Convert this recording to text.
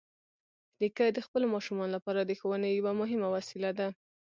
نیکه د خپلو ماشومانو لپاره د ښوونې یوه مهمه وسیله ده.